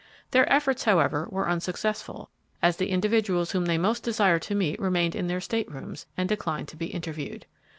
Their efforts, however, were unsuccessful, as the individuals whom they most desired to meet remained in their state rooms and declined to be interviewed.